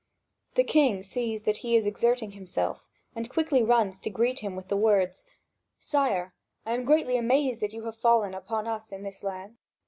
The king sees that he is exerting himself, and quickly runs to greet him with the words: "Sire, I am greatly amazed that you have fallen upon us in this land.